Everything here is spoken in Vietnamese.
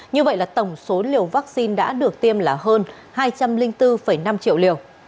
như vậy là tổng số liều vaccine đã được tiêm là hơn hai trăm linh bốn năm triệu liều